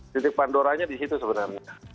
jadi pandoranya di situ sebenarnya